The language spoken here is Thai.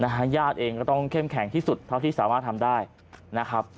ญาติเองก็ต้องเข้มแข็งที่สุดเท่าที่สามารถทำได้นะครับ